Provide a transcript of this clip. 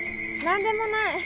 何でもないよ。